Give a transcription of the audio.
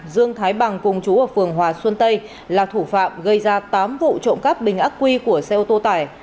dương thái bằng cùng chú ở phường hòa xuân tây là thủ phạm gây ra tám vụ trộm cắp bình ác quy của xe ô tô tải